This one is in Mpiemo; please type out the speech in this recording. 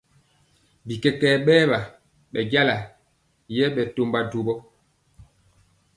Bikɛkɛɛ bɛwa bɛjala yɛ ɓɛtɔmba duwo.